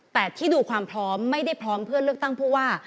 แต่ที่ดูความพร้อมไม่ได้พร้อมเพื่อเลือกตั้งผู้ว่า